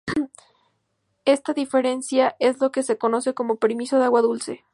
Esta diferencia es lo que se conoce como permiso de agua dulce.